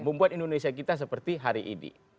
membuat indonesia kita seperti hari ini